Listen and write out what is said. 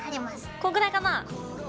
こんぐらいかな？